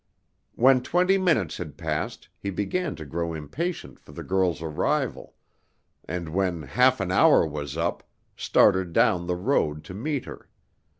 When twenty minutes had passed, he began to grow impatient for the girl's arrival, and, when half an hour was up, started down the road to meet her.